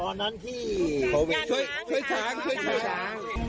ตอนนั้นที่โควิดโควิดช่วยช้างช่วยช้าง